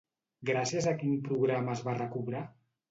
Gràcies a quin programa es va recobrar?